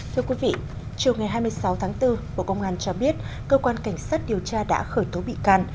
thưa quý vị chiều ngày hai mươi sáu tháng bốn bộ công an cho biết cơ quan cảnh sát điều tra đã khởi tố bị can